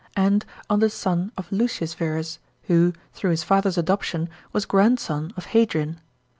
and on the son of Lucius Verus, who, through his father's adoption, was grandson of Hadrian.